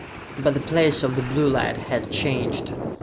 But the Place of the Blue Light had changed!